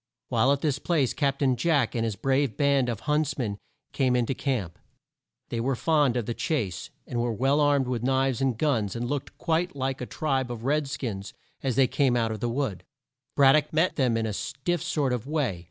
While at this place Cap tain Jack, and his brave band of hunts men came in to camp. They were fond of the chase, and were well armed with knives and guns, and looked quite like a tribe of red skins as they came out of the wood. Brad dock met them in a stiff sort of way.